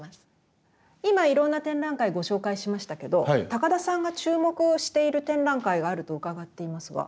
今いろんな展覧会ご紹介しましたけど高田さんが注目をしている展覧会があると伺っていますが。